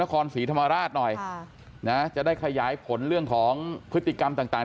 นครศรีธรรมราชหน่อยจะได้ขยายผลเรื่องของพฤติกรรมต่าง